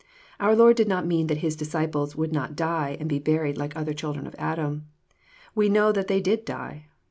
Our Lord did not mean that His disciples would not die and be buried like other children of Adam. We know that they did die.